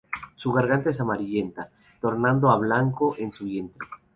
Su garganta es amarillenta, tornando a blanco en su vientre.